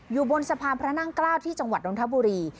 อยู่บนสะพานพระนั่งเกล้าที่จังหวัดนทบุรี